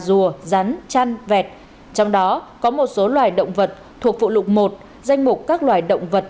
rùa rắn chăn vẹt trong đó có một số loài động vật thuộc vụ lục một danh mục các loài động vật